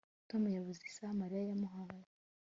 Tom yabuze isaha Mariya yamuhaye